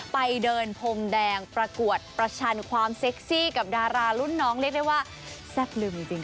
ไปเดินพรมแดงประกวดประชันความเซ็กซี่กับดารารุ่นน้องเรียกได้ว่าแซ่บลืมจริง